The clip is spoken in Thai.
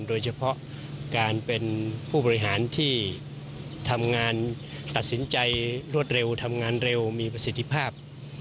โดยเฉพาะการเป็นผู้บริหารที่ทำงานตัดสินใจรวดเร็วทำงานเร็วมีประสิทธิภาพ